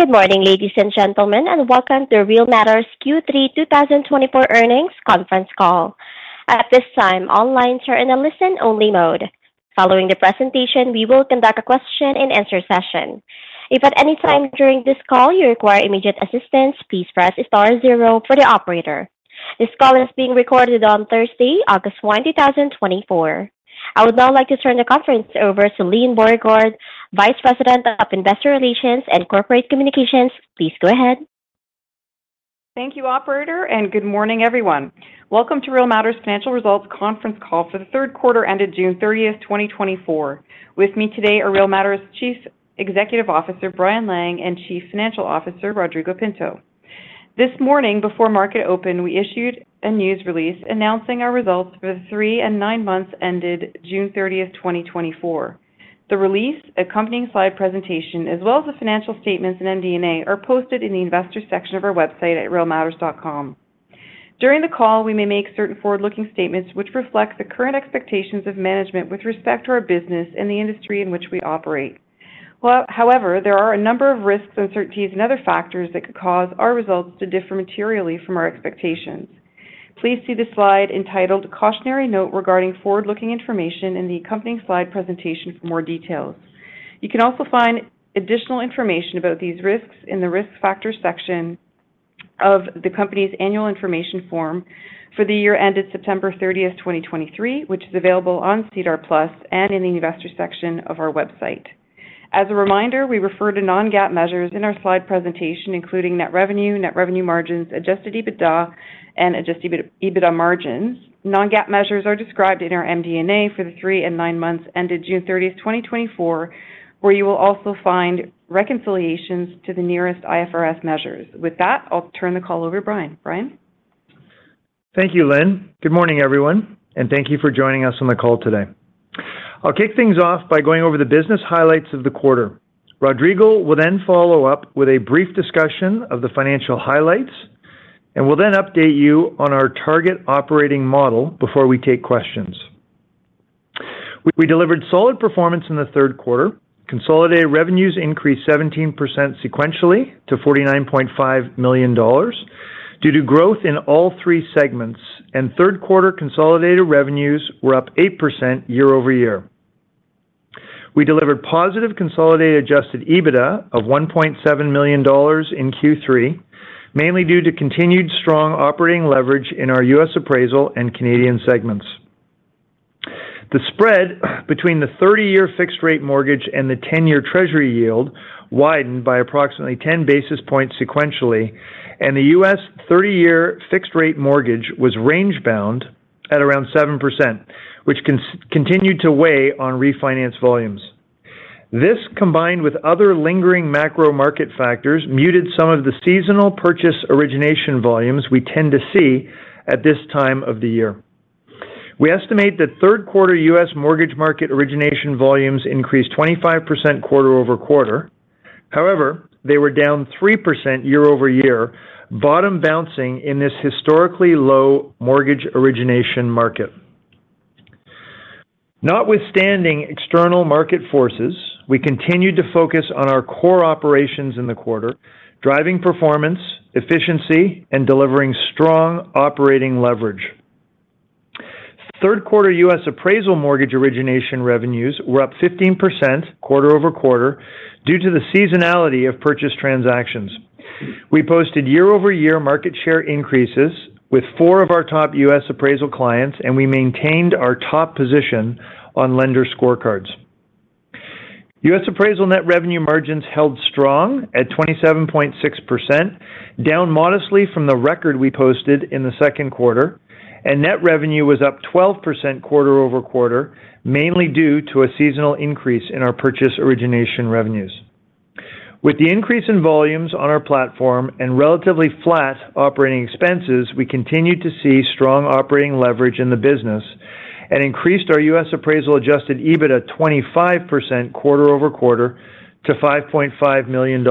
Good morning, ladies and gentlemen, and welcome to Real Matters Q3 2024 Earnings Conference Call. At this time, all lines are in a listen-only mode. Following the presentation, we will conduct a question-and-answer session. If at any time during this call you require immediate assistance, please press star zero for the operator. This call is being recorded on Thursday, August 1, 2024. I would now like to turn the conference over to Lyne Beauregard, Vice President of Investor Relations and Corporate Communications. Please go ahead. Thank you, Operator, and good morning, everyone. Welcome to Real Matters Financial Results Conference Call for the Third Quarter ended June 30, 2024. With me today are Real Matters Chief Executive Officer Brian Lang and Chief Financial Officer Rodrigo Pinto. This morning, before market open, we issued a news release announcing our results for the three and nine months ended June 30, 2024. The release, accompanying slide presentation, as well as the financial statements and MD&A, are posted in the investor section of our website at realmatters.com. During the call, we may make certain forward-looking statements which reflect the current expectations of management with respect to our business and the industry in which we operate. However, there are a number of risks, uncertainties, and other factors that could cause our results to differ materially from our expectations. Please see the slide entitled "Cautionary Note Regarding Forward-Looking Information" in the accompanying slide presentation for more details. You can also find additional information about these risks in the risk factor section of the company's annual information form for the year ended September 30, 2023, which is available on SEDAR+ and in the investor section of our website. As a reminder, we refer to non-GAAP measures in our slide presentation, including net revenue, net revenue margins, adjusted EBITDA, and adjusted EBITDA margins. Non-GAAP measures are described in our MD&A for the three and nine months ended June 30, 2024, where you will also find reconciliations to the nearest IFRS measures. With that, I'll turn the call over to Brian. Brian. Thank you, Lyne. Good morning, everyone, and thank you for joining us on the call today. I'll kick things off by going over the business highlights of the quarter. Rodrigo will then follow up with a brief discussion of the financial highlights, and we'll then update you on our target operating model before we take questions. We delivered solid performance in the third quarter. Consolidated revenues increased 17% sequentially to $49.5 million due to growth in all three segments, and third-quarter consolidated revenues were up 8% year-over-year. We delivered positive consolidated Adjusted EBITDA of $1.7 million in Q3, mainly due to continued strong operating leverage in our U.S. appraisal and Canadian segments. The spread between the 30-year fixed-rate mortgage and the 10-year Treasury yield widened by approximately 10 basis points sequentially, and the U.S. 30-year fixed-rate mortgage was range-bound at around 7%, which continued to weigh on refinance volumes. This, combined with other lingering macro market factors, muted some of the seasonal purchase origination volumes we tend to see at this time of the year. We estimate that third-quarter U.S. mortgage market origination volumes increased 25% quarter-over-quarter. However, they were down 3% year-over-year, bottom-bouncing in this historically low mortgage origination market. Notwithstanding external market forces, we continued to focus on our core operations in the quarter, driving performance, efficiency, and delivering strong operating leverage. Third-quarter U.S. appraisal mortgage origination revenues were up 15% quarter-over-quarter due to the seasonality of purchase transactions. We posted year-over-year market share increases with four of our top U.S. appraisal clients, and we maintained our top position on lender scorecards. U.S. Appraisal net revenue margins held strong at 27.6%, down modestly from the record we posted in the second quarter, and net revenue was up 12% quarter-over-quarter, mainly due to a seasonal increase in our purchase origination revenues. With the increase in volumes on our platform and relatively flat operating expenses, we continued to see strong operating leverage in the business and increased our U.S. appraisal adjusted EBITDA 25% quarter-over-quarter to $5.5 million.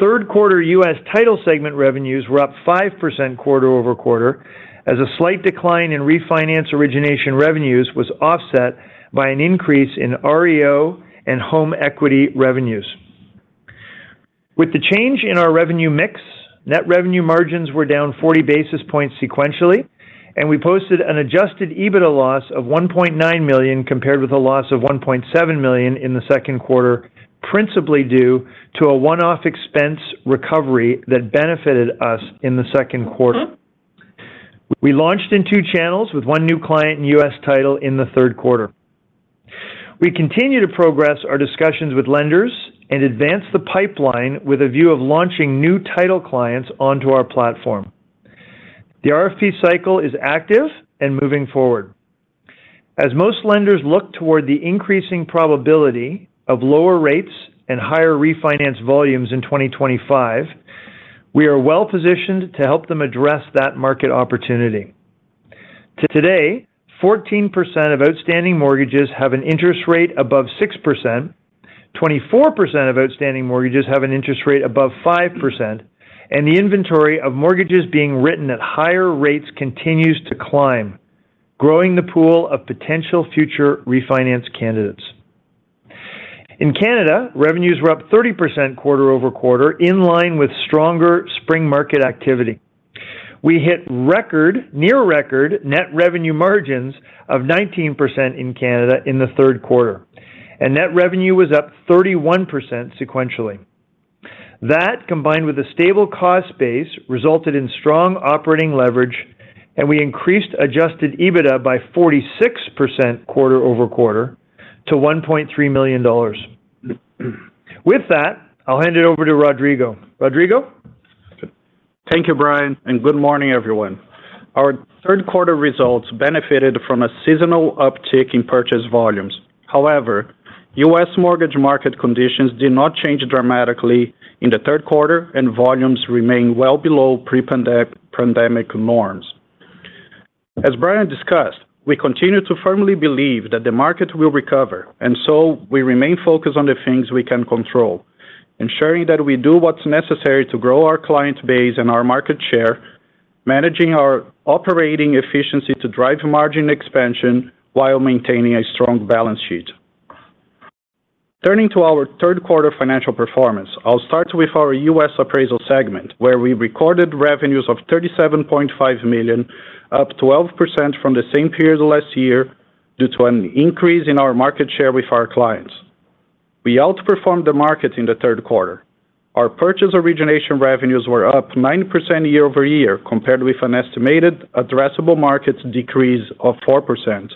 Third-quarter U.S. title segment revenues were up 5% quarter-over-quarter, as a slight decline in refinance origination revenues was offset by an increase in REO and home equity revenues. With the change in our revenue mix, net revenue margins were down 40 basis points sequentially, and we posted an adjusted EBITDA loss of $1.9 million compared with a loss of $1.7 million in the second quarter, principally due to a one-off expense recovery that benefited us in the second quarter. We launched in two channels with one new client in U.S. title in the third quarter. We continue to progress our discussions with lenders and advance the pipeline with a view of launching new title clients onto our platform. The RFP cycle is active and moving forward. As most lenders look toward the increasing probability of lower rates and higher refinance volumes in 2025, we are well-positioned to help them address that market opportunity. Today, 14% of outstanding mortgages have an interest rate above 6%, 24% of outstanding mortgages have an interest rate above 5%, and the inventory of mortgages being written at higher rates continues to climb, growing the pool of potential future refinance candidates. In Canada, revenues were up 30% quarter-over-quarter, in line with stronger spring market activity. We hit record, near record, net revenue margins of 19% in Canada in the third quarter, and net revenue was up 31% sequentially. That, combined with a stable cost base, resulted in strong operating leverage, and we increased Adjusted EBITDA by 46% quarter-over-quarter to $1.3 million. With that, I'll hand it over to Rodrigo. Rodrigo? Thank you, Brian, and good morning, everyone. Our third-quarter results benefited from a seasonal uptick in purchase volumes. However, U.S. mortgage market conditions did not change dramatically in the third quarter, and volumes remained well below pre-pandemic norms. As Brian discussed, we continue to firmly believe that the market will recover, and so we remain focused on the things we can control, ensuring that we do what's necessary to grow our client base and our market share, managing our operating efficiency to drive margin expansion while maintaining a strong balance sheet. Turning to our third-quarter financial performance, I'll start with our U.S. appraisal segment, where we recorded revenues of $37.5 million, up 12% from the same period last year due to an increase in our market share with our clients. We outperformed the market in the third quarter. Our purchase origination revenues were up 9% year-over-year, compared with an estimated addressable market decrease of 4%.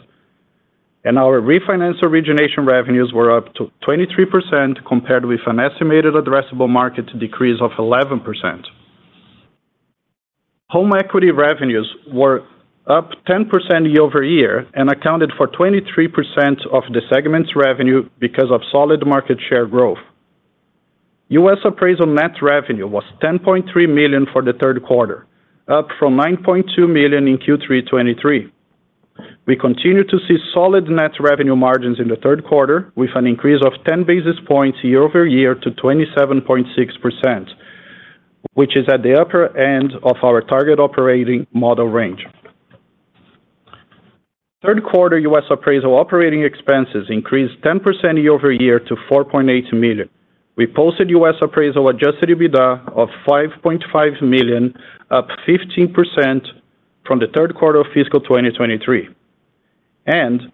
Our refinance origination revenues were up to 23%, compared with an estimated addressable market decrease of 11%. Home equity revenues were up 10% year-over-year and accounted for 23% of the segment's revenue because of solid market share growth. U.S. appraisal net revenue was $10.3 million for the third quarter, up from $9.2 million in Q3 2023. We continue to see solid net revenue margins in the third quarter, with an increase of 10 basis points year-over-year to 27.6%, which is at the upper end of our target operating model range. Third-quarter U.S. appraisal operating expenses increased 10% year-over-year to $4.8 million. We posted U.S. appraisal adjusted EBITDA of $5.5 million, up 15% from the third quarter of fiscal 2023.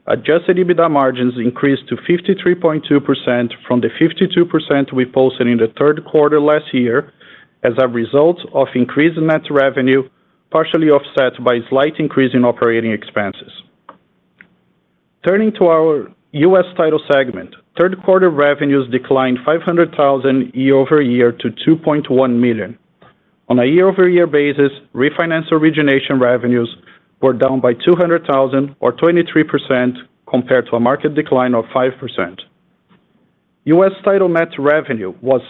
Adjusted EBITDA margins increased to 53.2% from the 52% we posted in the third quarter last year as a result of increased net revenue, partially offset by a slight increase in operating expenses. Turning to our U.S. title segment, third-quarter revenues declined $500,000 year-over-year to $2.1 million. On a year-over-year basis, refinance origination revenues were down by $200,000, or 23%, compared to a market decline of 5%. U.S. title net revenue was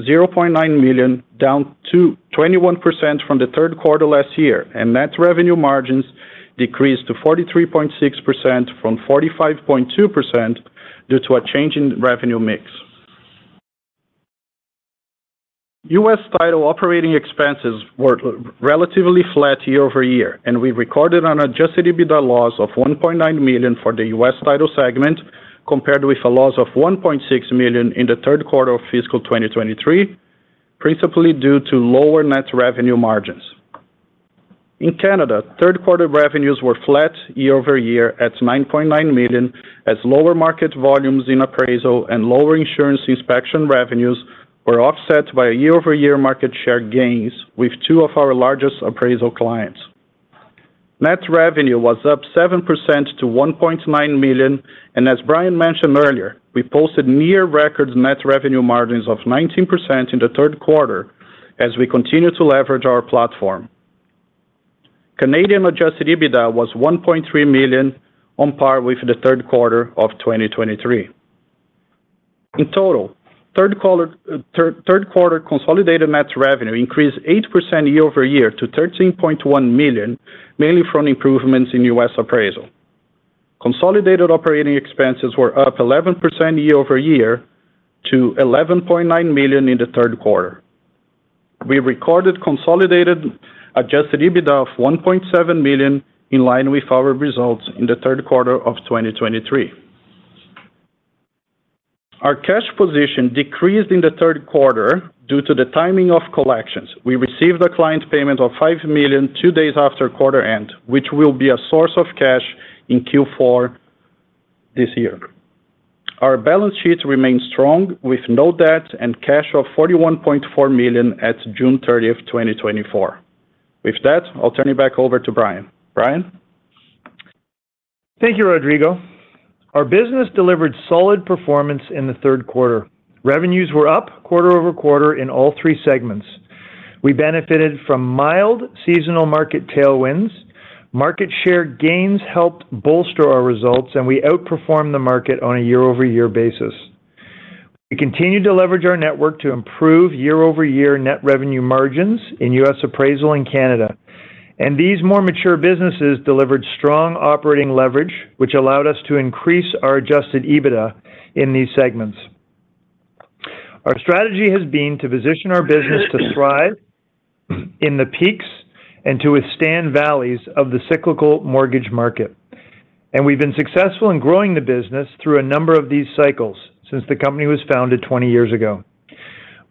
$0.9 million, down 21% from the third quarter last year, and net revenue margins decreased to 43.6% from 45.2% due to a change in revenue mix. U.S. title operating expenses were relatively flat year-over-year, and we recorded an adjusted EBITDA loss of $1.9 million for the U.S. title segment, compared with a loss of $1.6 million in the third quarter of fiscal 2023, principally due to lower net revenue margins. In Canada, third-quarter revenues were flat year-over-year at $9.9 million, as lower market volumes in appraisal and lower insurance inspection revenues were offset by year-over-year market share gains with two of our largest appraisal clients. Net revenue was up 7% to $1.9 million, and as Brian mentioned earlier, we posted near record net revenue margins of 19% in the third quarter as we continue to leverage our platform. Canadian Adjusted EBITDA was $1.3 million, on par with the third quarter of 2023. In total, third-quarter consolidated net revenue increased 8% year-over-year to $13.1 million, mainly from improvements in U.S. appraisal. Consolidated operating expenses were up 11% year-over-year to $11.9 million in the third quarter. We recorded consolidated Adjusted EBITDA of $1.7 million, in line with our results in the third quarter of 2023. Our cash position decreased in the third quarter due to the timing of collections. We received a client payment of $5 million two days after quarter end, which will be a source of cash in Q4 this year. Our balance sheet remained strong, with no debt and cash of $41.4 million at June 30, 2024. With that, I'll turn it back over to Brian. Brian? Thank you, Rodrigo. Our business delivered solid performance in the third quarter. Revenues were up quarter-over-quarter in all three segments. We benefited from mild seasonal market tailwinds. Market share gains helped bolster our results, and we outperformed the market on a year-over-year basis. We continued to leverage our network to improve year-over-year net revenue margins in U.S. appraisal and Canada, and these more mature businesses delivered strong operating leverage, which allowed us to increase our adjusted EBITDA in these segments. Our strategy has been to position our business to thrive in the peaks and to withstand valleys of the cyclical mortgage market. And we've been successful in growing the business through a number of these cycles since the company was founded 20 years ago.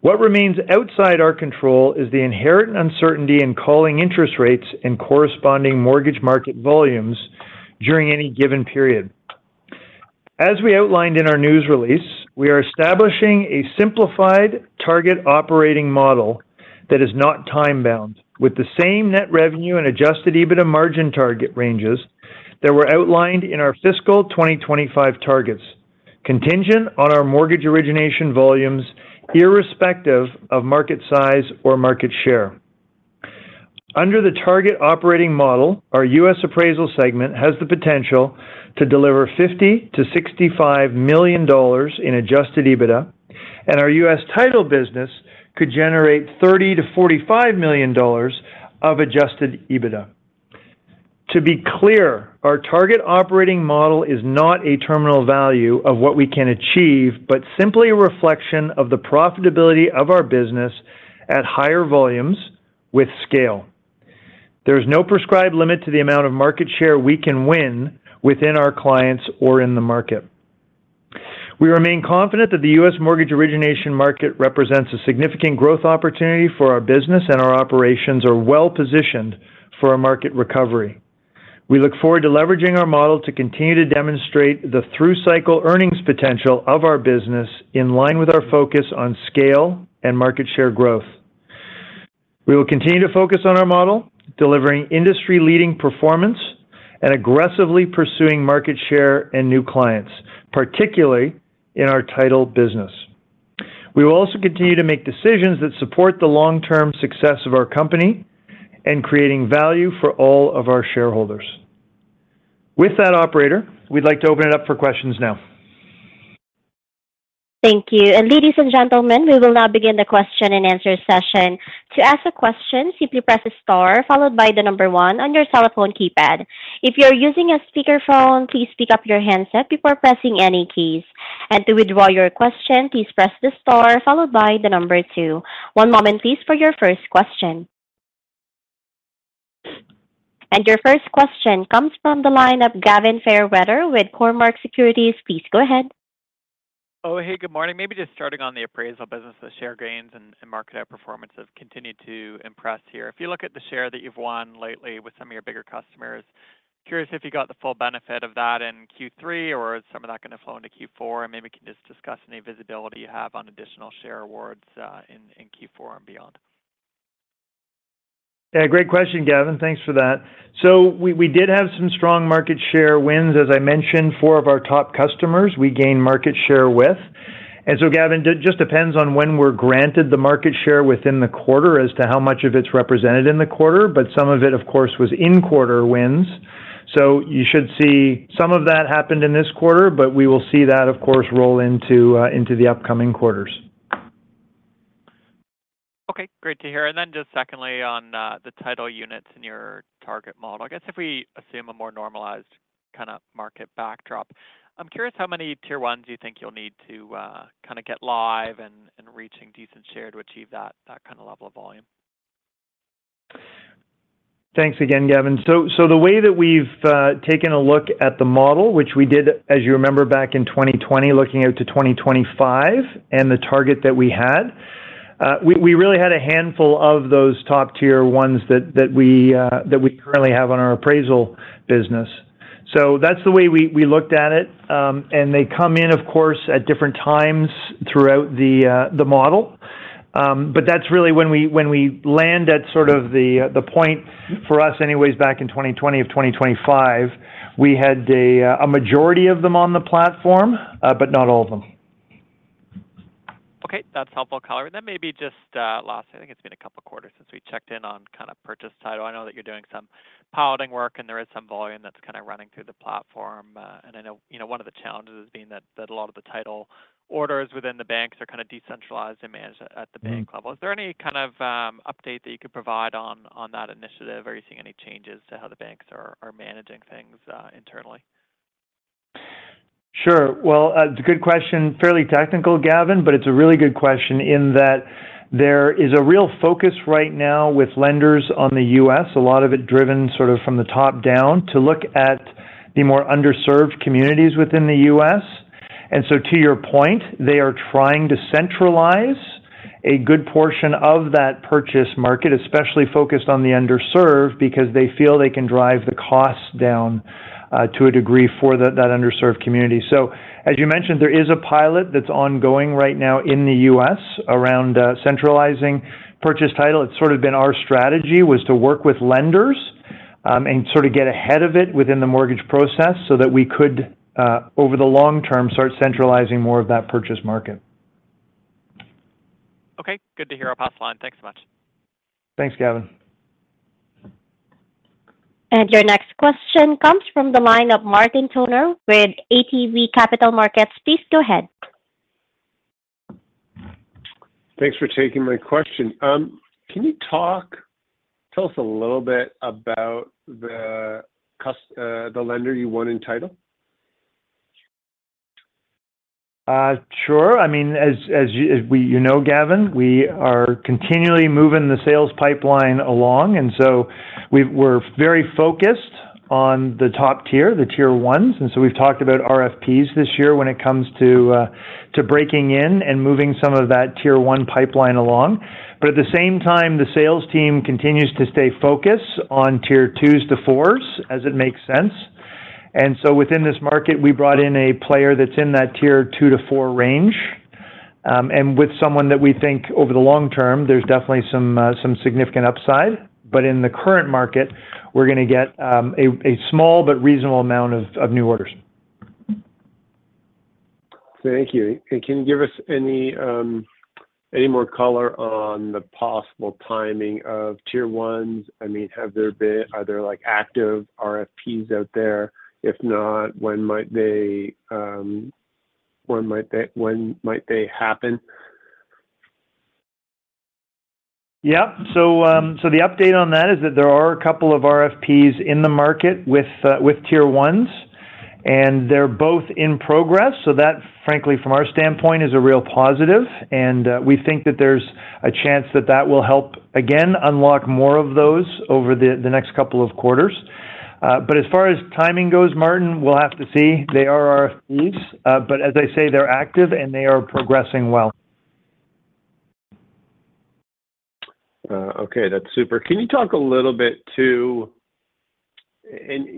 What remains outside our control is the inherent uncertainty in calling interest rates and corresponding mortgage market volumes during any given period. As we outlined in our news release, we are establishing a simplified target operating model that is not time-bound, with the same net revenue and Adjusted EBITDA margin target ranges that were outlined in our fiscal 2025 targets, contingent on our mortgage origination volumes, irrespective of market size or market share. Under the target operating model, our U.S. appraisal segment has the potential to deliver $50 million-$65 million in Adjusted EBITDA, and our U.S. title business could generate $30 million-$45 million of Adjusted EBITDA. To be clear, our target operating model is not a terminal value of what we can achieve, but simply a reflection of the profitability of our business at higher volumes with scale. There is no prescribed limit to the amount of market share we can win within our clients or in the market. We remain confident that the U.S. mortgage origination market represents a significant growth opportunity for our business, and our operations are well-positioned for a market recovery. We look forward to leveraging our model to continue to demonstrate the through-cycle earnings potential of our business, in line with our focus on scale and market share growth. We will continue to focus on our model, delivering industry-leading performance and aggressively pursuing market share and new clients, particularly in our title business. We will also continue to make decisions that support the long-term success of our company and creating value for all of our shareholders. With that, Operator, we'd like to open it up for questions now. Thank you. And ladies and gentlemen, we will now begin the question and answer session. To ask a question, simply press the star followed by the number one on your cell phone keypad. If you're using a speakerphone, please pick up your handset before pressing any keys. And to withdraw your question, please press the star followed by the number two. One moment, please, for your first question. And your first question comes from the line of Gavin Fairweather with Cormark Securities. Please go ahead. Oh, hey, good morning. Maybe just starting on the appraisal business, the share gains and market outperformance have continued to impress here. If you look at the share that you've won lately with some of your bigger customers, curious if you got the full benefit of that in Q3, or is some of that going to flow into Q4? Maybe we can just discuss any visibility you have on additional share awards in Q4 and beyond. Yeah, great question, Gavin. Thanks for that. So we did have some strong market share wins, as I mentioned, four of our top customers we gained market share with. And so, Gavin, it just depends on when we're granted the market share within the quarter as to how much of it's represented in the quarter. But some of it, of course, was in quarter wins. So you should see some of that happened in this quarter, but we will see that, of course, roll into the upcoming quarters. Okay, great to hear. And then just secondly, on the title units in your target model, I guess if we assume a more normalized kind of market backdrop, I'm curious how many tier ones you think you'll need to kind of get live and reaching decent share to achieve that kind of level of volume? Thanks again, Gavin. So the way that we've taken a look at the model, which we did, as you remember, back in 2020, looking out to 2025, and the target that we had, we really had a handful of those top-tier ones that we currently have on our appraisal business. So that's the way we looked at it. And they come in, of course, at different times throughout the model. But that's really when we land at sort of the point for us anyways back in 2020 of 2025, we had a majority of them on the platform, but not all of them. Okay, that's helpful, color. And then maybe just last, I think it's been a couple of quarters since we checked in on kind of purchase title. I know that you're doing some piloting work, and there is some volume that's kind of running through the platform. And I know one of the challenges is being that a lot of the title orders within the banks are kind of decentralized and managed at the bank level. Is there any kind of update that you could provide on that initiative, or are you seeing any changes to how the banks are managing things internally? Sure. Well, it's a good question, fairly technical, Gavin, but it's a really good question in that there is a real focus right now with lenders on the U.S., a lot of it driven sort of from the top down, to look at the more underserved communities within the U.S. And so, to your point, they are trying to centralize a good portion of that purchase market, especially focused on the underserved, because they feel they can drive the costs down to a degree for that underserved community. So, as you mentioned, there is a pilot that's ongoing right now in the U.S. around centralizing purchase title. It's sort of been our strategy was to work with lenders and sort of get ahead of it within the mortgage process so that we could, over the long term, start centralizing more of that purchase market. Okay, good to hear I'll past line. Thanks so much. Thanks, Gavin. Your next question comes from the line of Martin Toner with ATB Capital Markets. Please go ahead. Thanks for taking my question. Can you tell us a little bit about the lender you won in title? Sure. I mean, as you know, Gavin, we are continually moving the sales pipeline along. And so we're very focused on the top tier, the tier ones. And so we've talked about RFPs this year when it comes to breaking in and moving some of that tier one pipeline along. But at the same time, the sales team continues to stay focused on tier twos to fours as it makes sense. And so within this market, we brought in a player that's in that tier two to four range. And with someone that we think over the long term, there's definitely some significant upside. But in the current market, we're going to get a small but reasonable amount of new orders. Thank you. Can you give us any more color on the possible timing of tier ones? I mean, have there been other active RFPs out there? If not, when might they happen? Yep. So the update on that is that there are a couple of RFPs in the market with tier ones, and they're both in progress. So that, frankly, from our standpoint, is a real positive. And we think that there's a chance that that will help, again, unlock more of those over the next couple of quarters. But as far as timing goes, Martin, we'll have to see. They are RFPs. But as I say, they're active, and they are progressing well. Okay, that's super. Can you talk a little bit—and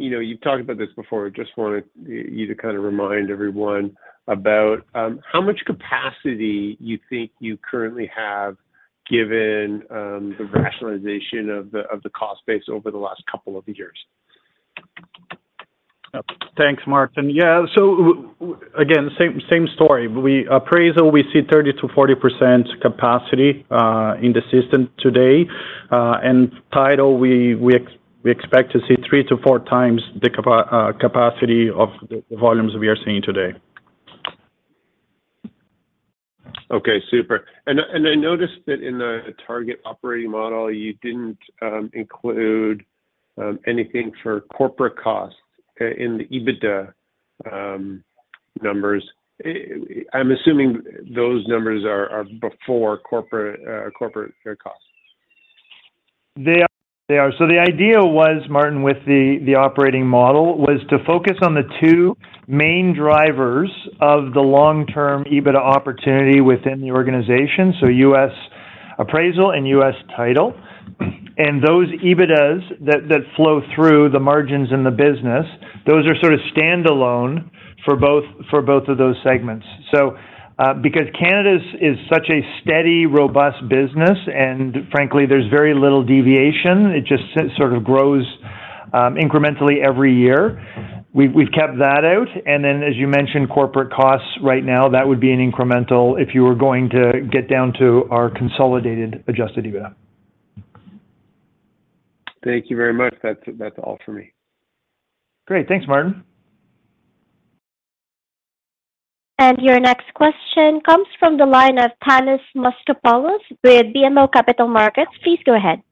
you've talked about this before. I just wanted you to kind of remind everyone about how much capacity you think you currently have given the rationalization of the cost base over the last couple of years. Thanks, Martin. Yeah. So again, same story. Appraisal, we see 30%-40% capacity in the system today. And title, we expect to see 3-4x the capacity of the volumes we are seeing today. Okay, super. And I noticed that in the target operating model, you didn't include anything for corporate costs in the EBITDA numbers. I'm assuming those numbers are before corporate costs. They are. So the idea was, Martin, with the operating model, was to focus on the two main drivers of the long-term EBITDA opportunity within the organization, so U.S. appraisal and U.S. title. And those EBITDAs that flow through the margins in the business, those are sort of standalone for both of those segments. So because Canada is such a steady, robust business, and frankly, there's very little deviation. It just sort of grows incrementally every year. We've kept that out. And then, as you mentioned, corporate costs right now, that would be an incremental if you were going to get down to our consolidated adjusted EBITDA. Thank you very much. That's all for me. Great. Thanks, Martin. Your next question comes from the line of Thanos Moschopoulos with BMO Capital Markets. Please go ahead.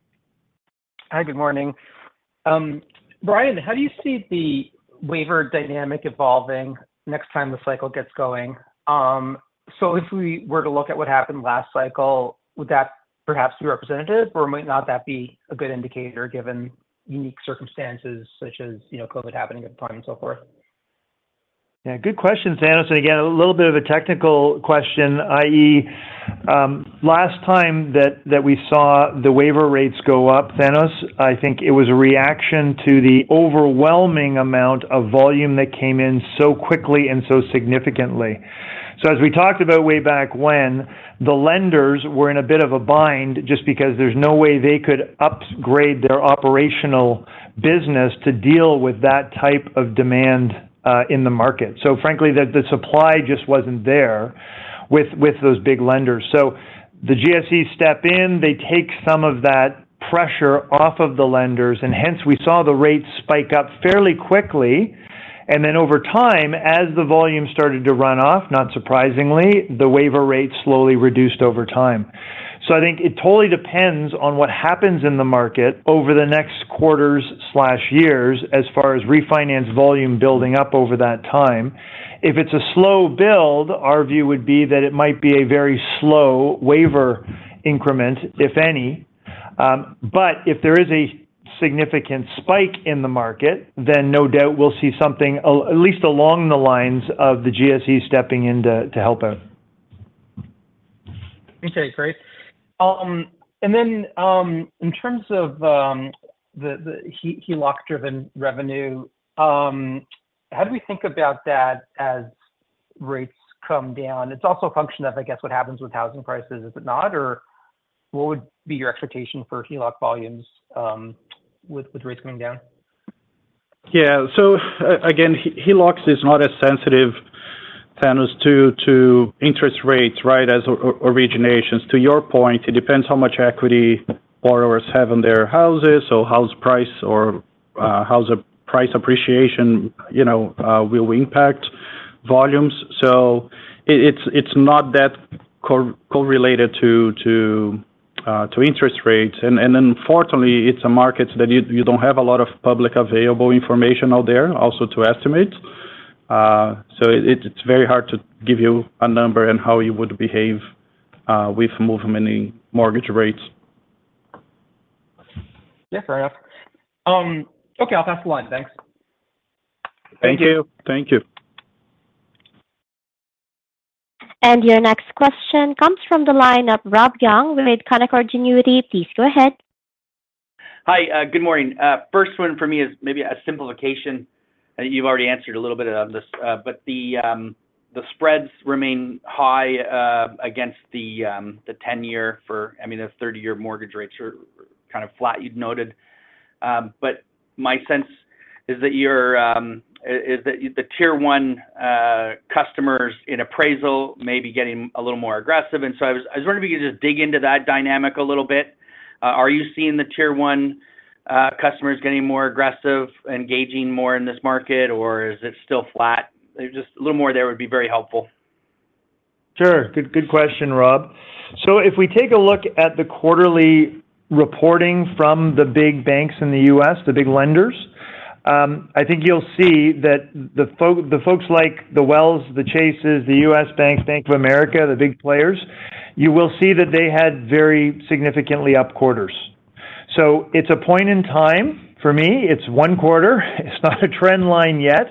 Hi, good morning. Brian, how do you see the waiver dynamic evolving next time the cycle gets going? So if we were to look at what happened last cycle, would that perhaps be representative, or might not that be a good indicator given unique circumstances such as COVID happening at the time and so forth? Yeah, good question, Thanos. Again, a little bit of a technical question, i.e., last time that we saw the waiver rates go up, Thanos, I think it was a reaction to the overwhelming amount of volume that came in so quickly and so significantly. As we talked about way back when, the lenders were in a bit of a bind just because there's no way they could upgrade their operational business to deal with that type of demand in the market. Frankly, the supply just wasn't there with those big lenders. The GSE step in, they take some of that pressure off of the lenders, and hence we saw the rates spike up fairly quickly. Then over time, as the volume started to run off, not surprisingly, the waiver rate slowly reduced over time. I think it totally depends on what happens in the market over the next quarters or years as far as refinance volume building up over that time. If it's a slow build, our view would be that it might be a very slow waiver increment, if any. But if there is a significant spike in the market, then no doubt we'll see something at least along the lines of the GSE stepping in to help out. Okay, great. And then in terms of the HELOC-driven revenue, how do we think about that as rates come down? It's also a function of, I guess, what happens with housing prices, is it not? Or what would be your expectation for HELOC volumes with rates coming down? Yeah. So again, HELOCs is not as sensitive, Thanos, to interest rates, right, as originations. To your point, it depends how much equity borrowers have in their houses or house price or house price appreciation will impact volumes. So it's not that correlated to interest rates. And then fortunately, it's a market that you don't have a lot of public available information out there also to estimate. So it's very hard to give you a number and how you would behave with movement in mortgage rates. Yeah, fair enough. Okay, I'll pass the line. Thanks. Thank you. Thank you. Your next question comes from the line of Rob Young with Canaccord Genuity. Please go ahead. Hi, good morning. First one for me is maybe a simplification. You've already answered a little bit of this, but the spreads remain high against the 10-year for, I mean, the 30-year mortgage rates are kind of flat, you'd noted. But my sense is that the tier one customers in appraisal may be getting a little more aggressive. And so I was wondering if you could just dig into that dynamic a little bit. Are you seeing the tier one customers getting more aggressive, engaging more in this market, or is it still flat? Just a little more there would be very helpful. Sure. Good question, Rob. So if we take a look at the quarterly reporting from the big banks in the U.S., the big lenders, I think you'll see that the folks like the Wells, the Chases, the U.S. Bank, Bank of America, the big players, you will see that they had very significantly up quarters. So it's a point in time for me. It's one quarter. It's not a trend line yet.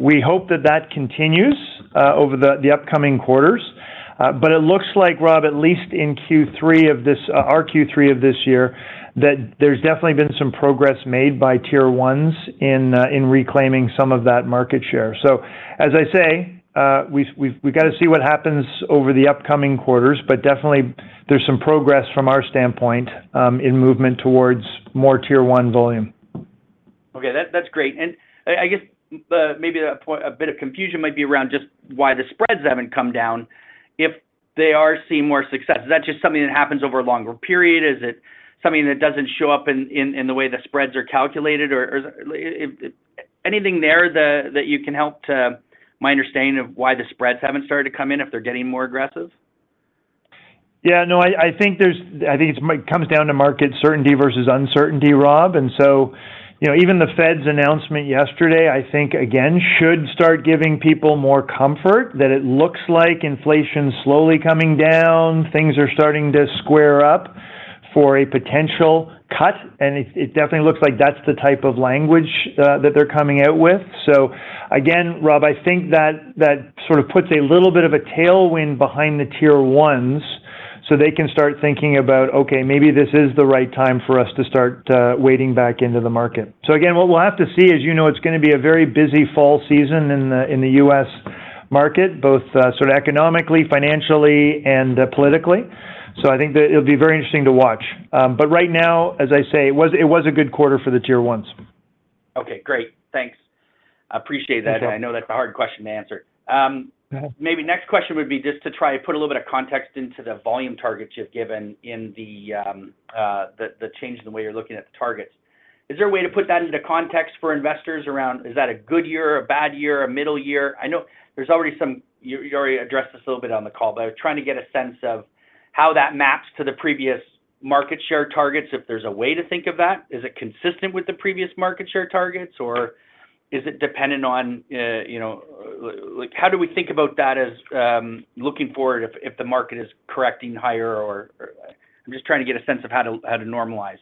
We hope that that continues over the upcoming quarters. But it looks like, Rob, at least in Q3 of this, our Q3 of this year, that there's definitely been some progress made by tier ones in reclaiming some of that market share. So as I say, we've got to see what happens over the upcoming quarters, but definitely there's some progress from our standpoint in movement towards more tier one volume. Okay, that's great. I guess maybe a bit of confusion might be around just why the spreads haven't come down. If they are seeing more success, is that just something that happens over a longer period? Is it something that doesn't show up in the way the spreads are calculated? Or anything there that you can help to my understanding of why the spreads haven't started to come in if they're getting more aggressive? Yeah. No, I think it comes down to market certainty versus uncertainty, Rob. And so even the Fed's announcement yesterday, I think, again, should start giving people more comfort that it looks like inflation is slowly coming down, things are starting to square up for a potential cut. And it definitely looks like that's the type of language that they're coming out with. So again, Rob, I think that sort of puts a little bit of a tailwind behind the tier ones so they can start thinking about, "Okay, maybe this is the right time for us to start wading back into the market." So again, what we'll have to see is it's going to be a very busy fall season in the U.S. market, both sort of economically, financially, and politically. So I think it'll be very interesting to watch. Right now, as I say, it was a good quarter for the tier ones. Okay, great. Thanks. Appreciate that. I know that's a hard question to answer. Maybe next question would be just to try and put a little bit of context into the volume targets you've given in the change in the way you're looking at the targets. Is there a way to put that into context for investors around, is that a good year, a bad year, a middle year? I know there's already some, you already addressed this a little bit on the call, but I was trying to get a sense of how that maps to the previous market share targets. If there's a way to think of that, is it consistent with the previous market share targets, or is it dependent on how do we think about that as looking forward if the market is correcting higher? Or I'm just trying to get a sense of how to normalize.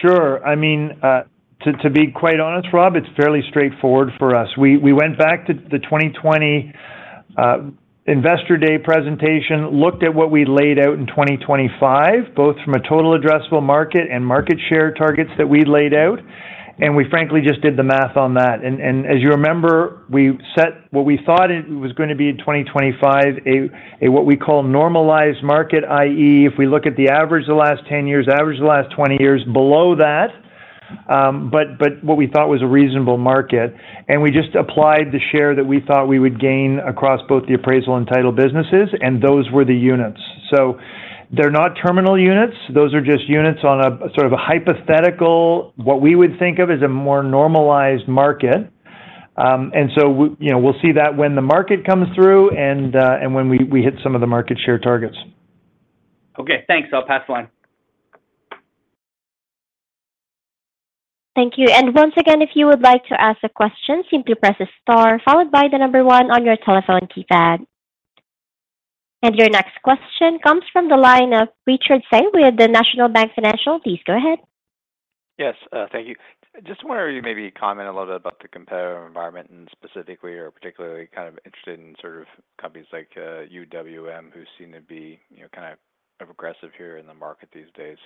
Sure. I mean, to be quite honest, Rob, it's fairly straightforward for us. We went back to the 2020 Investor Day presentation, looked at what we laid out in 2025, both from a total addressable market and market share targets that we laid out. And we frankly just did the math on that. And as you remember, we set what we thought it was going to be in 2025, a what we call normalized market, i.e., if we look at the average of the last 10 years, average of the last 20 years below that, but what we thought was a reasonable market. And we just applied the share that we thought we would gain across both the appraisal and title businesses, and those were the units. So they're not terminal units. Those are just units on a sort of a hypothetical, what we would think of as a more normalized market. And so we'll see that when the market comes through and when we hit some of the market share targets. Okay, thanks. I'll pass the line. Thank you. And once again, if you would like to ask a question, simply press the star followed by the number one on your telephone keypad. And your next question comes from the line of Richard Tse with the National Bank Financial. Please go ahead. Yes, thank you. Just wanted to maybe comment a little bit about the competitive environment and specifically or particularly kind of interested in sort of companies like UWM who seem to be kind of aggressive here in the market these days.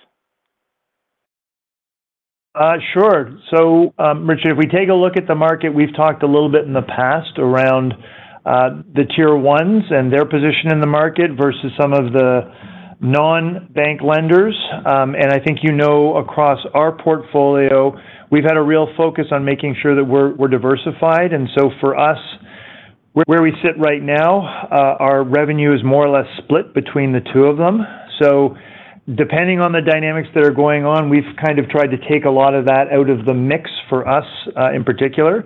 Sure. So Richard, if we take a look at the market, we've talked a little bit in the past around the tier ones and their position in the market versus some of the non-bank lenders. And I think you know across our portfolio, we've had a real focus on making sure that we're diversified. And so for us, where we sit right now, our revenue is more or less split between the two of them. So depending on the dynamics that are going on, we've kind of tried to take a lot of that out of the mix for us in particular.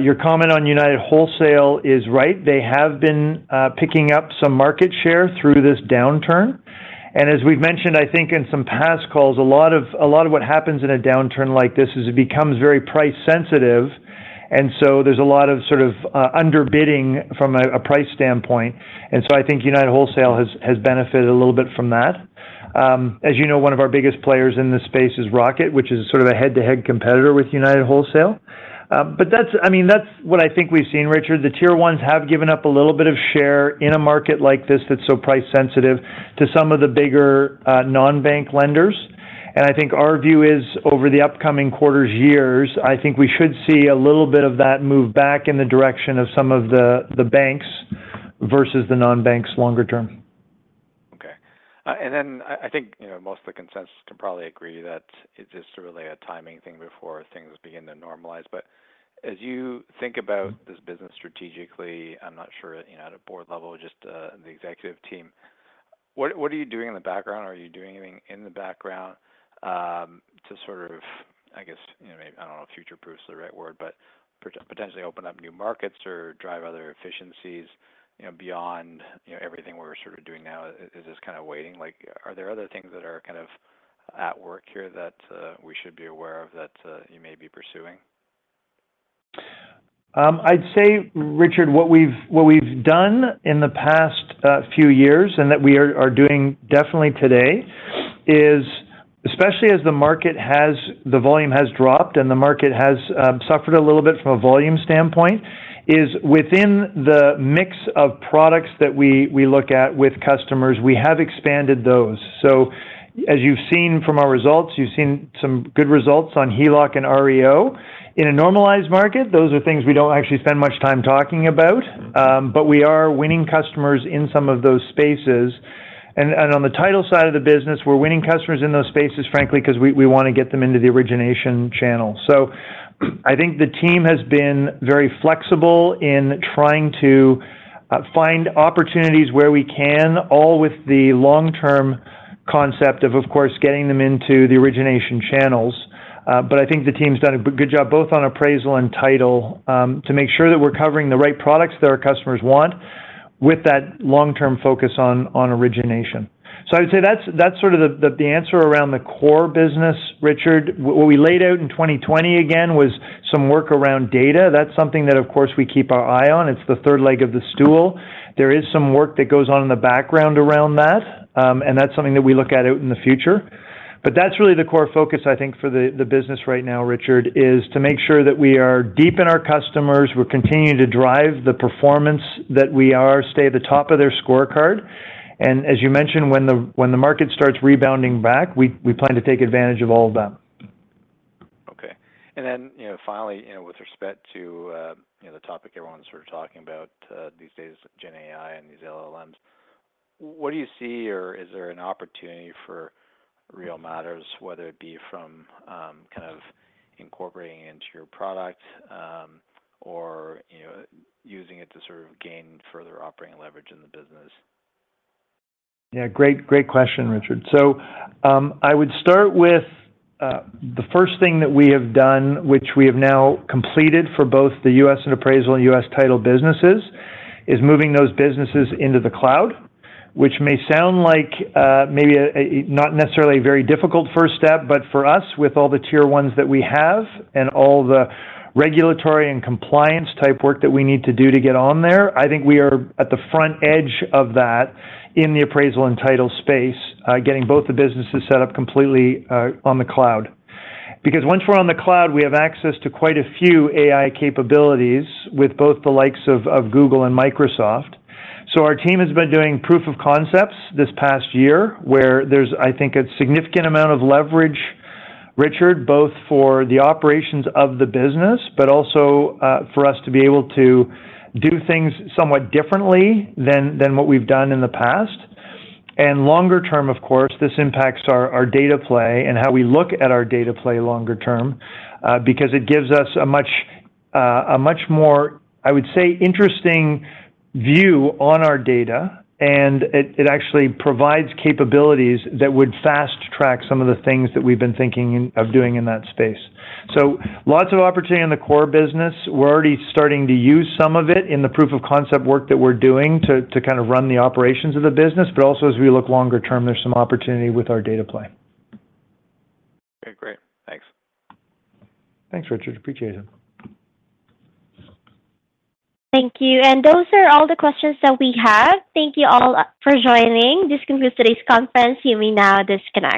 Your comment on United Wholesale is right. They have been picking up some market share through this downturn. And as we've mentioned, I think in some past calls, a lot of what happens in a downturn like this is it becomes very price sensitive. And so there's a lot of sort of underbidding from a price standpoint. And so I think United Wholesale has benefited a little bit from that. As you know, one of our biggest players in this space is Rocket, which is sort of a head-to-head competitor with United Wholesale. But I mean, that's what I think we've seen, Richard. The tier ones have given up a little bit of share in a market like this that's so price sensitive to some of the bigger non-bank lenders. And I think our view is over the upcoming quarters, years, I think we should see a little bit of that move back in the direction of some of the banks versus the non-banks longer term. Okay. And then I think most of the consensus can probably agree that it's just really a timing thing before things begin to normalize. But as you think about this business strategically, I'm not sure at a board level, just the executive team, what are you doing in the background? Are you doing anything in the background to sort of, I guess, I don't know if future-proof is the right word, but potentially open up new markets or drive other efficiencies beyond everything we're sort of doing now? Is this kind of waiting? Are there other things that are kind of at work here that we should be aware of that you may be pursuing? I'd say, Richard, what we've done in the past few years and that we are doing definitely today is, especially as the market has the volume has dropped and the market has suffered a little bit from a volume standpoint, is within the mix of products that we look at with customers, we have expanded those. So as you've seen from our results, you've seen some good results on HELOC and REO. In a normalized market, those are things we don't actually spend much time talking about, but we are winning customers in some of those spaces. And on the title side of the business, we're winning customers in those spaces, frankly, because we want to get them into the origination channel. So I think the team has been very flexible in trying to find opportunities where we can, all with the long-term concept of, of course, getting them into the origination channels. But I think the team's done a good job both on appraisal and title to make sure that we're covering the right products that our customers want with that long-term focus on origination. So I would say that's sort of the answer around the core business, Richard. What we laid out in 2020 again was some work around data. That's something that, of course, we keep our eye on. It's the third leg of the stool. There is some work that goes on in the background around that, and that's something that we look at in the future. But that's really the core focus, I think, for the business right now, Richard, is to make sure that we are deep in our customers. We're continuing to drive the performance that we are, stay at the top of their scorecard. And as you mentioned, when the market starts rebounding back, we plan to take advantage of all of them. Okay. And then finally, with respect to the topic everyone's sort of talking about these days, Gen AI and these LLMs, what do you see or is there an opportunity for Real Matters, whether it be from kind of incorporating into your product or using it to sort of gain further operating leverage in the business? Yeah. Great question, Richard. So I would start with the first thing that we have done, which we have now completed for both the U.S. and appraisal and U.S. title businesses, is moving those businesses into the cloud, which may sound like maybe not necessarily a very difficult first step, but for us, with all the tier ones that we have and all the regulatory and compliance type work that we need to do to get on there, I think we are at the front edge of that in the appraisal and title space, getting both the businesses set up completely on the cloud. Because once we're on the cloud, we have access to quite a few AI capabilities with both the likes of Google and Microsoft. So our team has been doing proof of concepts this past year where there's, I think, a significant amount of leverage, Richard, both for the operations of the business, but also for us to be able to do things somewhat differently than what we've done in the past. And longer term, of course, this impacts our data play and how we look at our data play longer term because it gives us a much more, I would say, interesting view on our data, and it actually provides capabilities that would fast track some of the things that we've been thinking of doing in that space. So lots of opportunity in the core business. We're already starting to use some of it in the proof of concept work that we're doing to kind of run the operations of the business. But also, as we look longer term, there's some opportunity with our data play. Okay, great. Thanks. Thanks, Richard. Appreciate it. Thank you. Those are all the questions that we have. Thank you all for joining. This concludes today's conference. You may now disconnect.